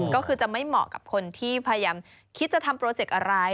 ก็คือจะไม่เหมาะกับคนที่พยายามคิดจะทำโปรเจกต์อะไร